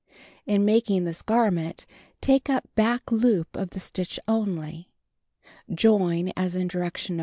In making this garment, take up back loop of the stitch only. Join as in direction No.